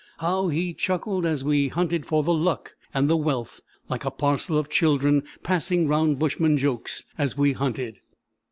How he chuckled as we hunted for the "luck" and the "wealth," like a parcel of children, passing round bushman jokes as we hunted.